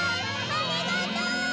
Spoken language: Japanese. ありがとう！